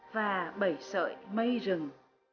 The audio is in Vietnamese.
và bảy sợi mây rừng